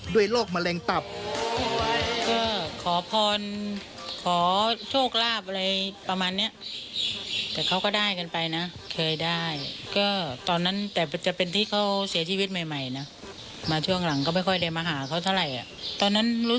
ด้วยโรคแมลงตับ